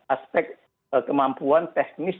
aspek kemampuan teknis